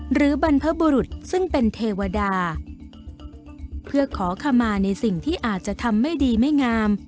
บรรพบุรุษซึ่งเป็นเทวดาเพื่อขอขมาในสิ่งที่อาจจะทำไม่ดีไม่งาม